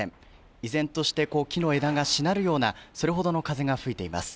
依然として木の枝がしなるような、それほどの風が吹いています。